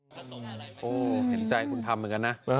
โอ้เห็นใจคุณทำเหมือนกันนะ